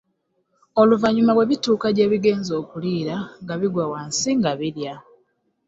Oluvannyuma bwe bituuka gye bigenze okuliira nga bigwa wansi nga birya.